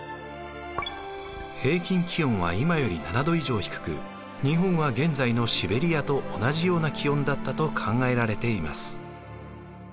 平均気温は今より７度以上低く日本は現在のシベリアと同じような気温だったと考えられています。